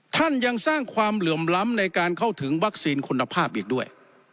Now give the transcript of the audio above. ท่านยังสร้างความเหลื่อมล้ำในการเข้าถึงวัคซีนคุณภาพอีกด้วย